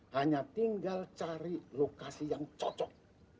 hanya tinggal cari lokasi yang cocok